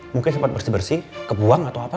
mungkin sempat bersih bersih kebuang atau apa